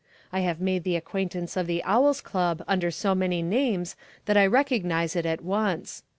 I have made the acquaintance of the Owl's Club under so many names that I recognise it at once.